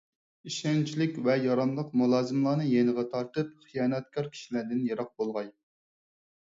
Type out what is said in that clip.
ئىشەنچلىك ۋە ياراملىق مۇلازىملارنى يېنىغا تارتىپ، خىيانەتكار كىشىلەردىن يىراق بولغاي.